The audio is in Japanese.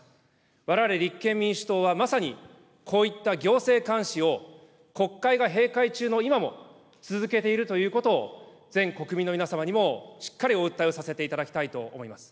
われわれ立憲民主党は、まさにこういった行政監視を国会が閉会中の今も、続けているということを、全国民の皆様にもしっかりお訴えをさせていただきたいと思います。